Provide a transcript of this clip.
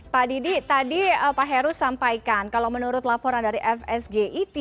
pak didi tadi pak heru sampaikan kalau menurut laporan dari fsgit